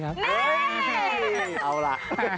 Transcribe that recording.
เอ้ยเอาล่ะ